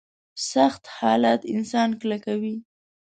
سخت حالات انسان کلکوي.